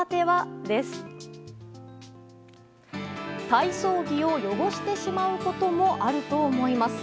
体操着を汚してしまうこともあると思います。